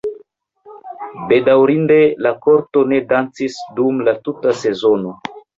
Bedaŭrinde, la kortego ne dancis dum la tuta sezono.